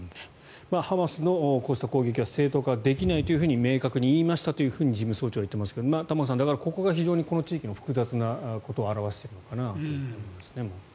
ハマスのこうした攻撃は正当化できないと明確に言いましたと事務総長はいっていますが玉川さん、ここが非常にこの地域の複雑なことを表していると思います。